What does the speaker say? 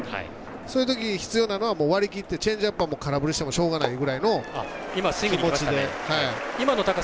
そういうとき必要なのは割り切ってチェンジアップは空振りしてもしょうがないぐらいの気持ちで。